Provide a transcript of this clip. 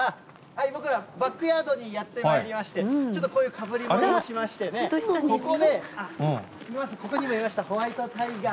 僕はバックヤードにやってまいりまして、ちょっとこういうかぶりものをしましてね、ここで、ここにもいました、ホワイトタイガー。